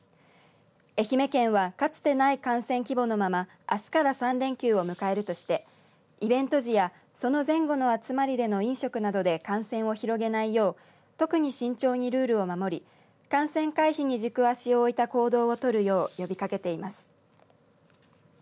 愛媛県はかつてない感染規模のままあすから３連休を迎えるとしてイベント時やその前後の集まりでの飲食などで感染を広げないよう特に慎重にルールを守り、感染回避に軸足を置いた行動を取るよう呼びかけています。